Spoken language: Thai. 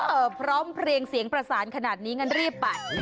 พร้อมเพลียงเสียงประสานขนาดนี้งั้นรีบไป